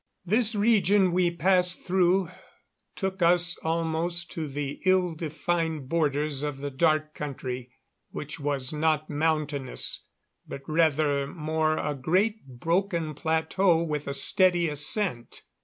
This region we passed through took us almost to the ill defined borders of the Dark Country. It was not mountainous, but rather more a great broken plateau with a steady ascent.